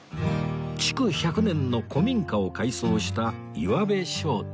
築１００年の古民家を改装した岩部商店